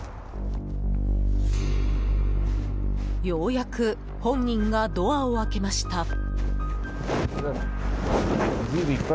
ようやく本人がドアを開けました。